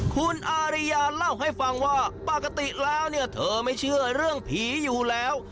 คุณอาริยาเล่าให้ฟังว่าปกติแล้วเนี่ยเธอไม่เชื่อเรื่องผีอยู่แล้ว